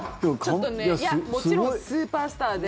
いや、もちろんスーパースターで。